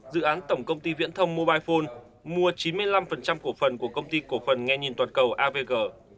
dự án tổng công ty viễn thông mobile phone mua chín mươi năm cổ phần của công ty cổ phần nghe nhìn toàn cầu avg